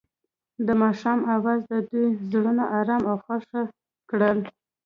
د ماښام اواز د دوی زړونه ارامه او خوښ کړل.